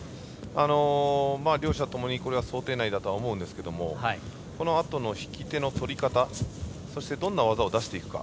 両者ともにこれは想定内だとは思うんですがこのあとの引き手のとり方どんな技を出していくか